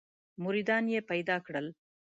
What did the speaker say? مریدان یې پیدا کړل.